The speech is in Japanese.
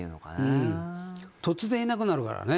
うん突然いなくなるからね